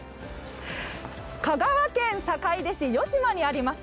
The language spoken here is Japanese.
香川県坂出市与島にあります